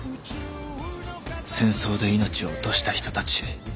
戦争で命を落とした人たち。